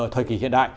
thời kỳ hiện đại